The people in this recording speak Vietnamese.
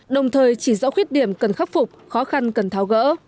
đồng thời chỉ rõ khuyết điểm cần khắc phục khó khăn cần tháo gỡ